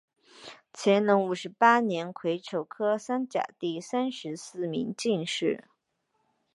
乾隆五十八年癸丑科三甲第三十四名进士。